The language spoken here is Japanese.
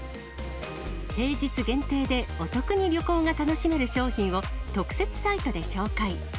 平日限定でお得に旅行が楽しめる商品を、特設サイトで紹介。